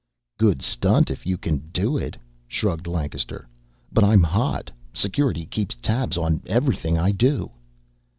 "Good stunt if you can do it," shrugged Lancaster. "But I'm hot. Security keeps tabs on everything I do."